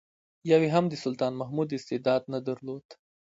یو یې هم د سلطان محمود استعداد نه درلود.